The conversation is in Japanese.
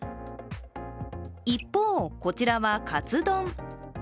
一方、こちらはかつ丼。